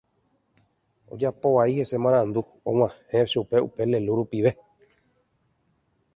ojapovaiete hese marandu og̃uahẽ rupi chupe upe lélu rupive